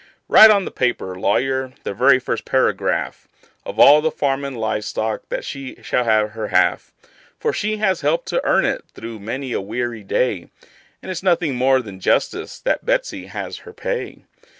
Write on the paper, lawyer the very first paragraph Of all the farm and live stock that she shall have her half; For she has helped to earn it, through many a weary day, And it's nothing more than justice that Betsey has her pay.